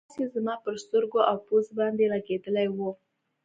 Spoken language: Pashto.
لاس یې زما پر سترګو او پوزې باندې لګېدلی و.